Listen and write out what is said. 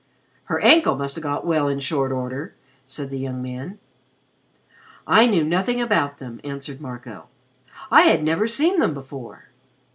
"Her ankle must have got well in short order," said the young man. "I knew nothing about them," answered Marco. "I had never seen them before."